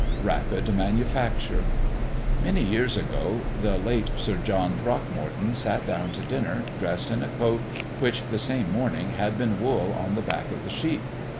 RAPID MANUFACTURE. Many years ago, the late Sir John Throckmorton sat down to dinner, dressed in a coat which, the same morning, had been wool on the back of the sheep.